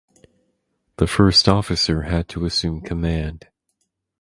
The first officer had to assume command.